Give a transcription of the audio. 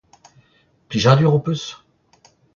Plijadur ho peus ?